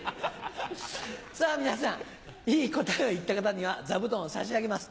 さぁ皆さんいい答えを言った方には座布団を差し上げます。